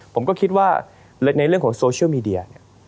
ผมก็คิดว่าในเรื่องของโซเชียลมีเดียเนี่ย